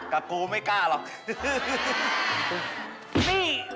กูไม่กล้าหรอก